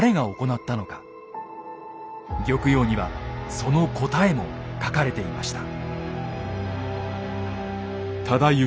「玉葉」にはその答えも書かれていました。